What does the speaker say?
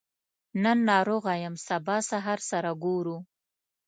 نن ناروغه يم سبا سهار سره ګورو